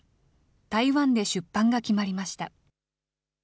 台湾で出版が決まりました。